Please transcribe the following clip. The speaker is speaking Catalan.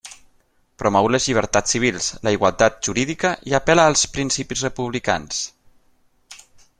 Promou les llibertats civils, la igualtat jurídica i apel·la als principis republicans.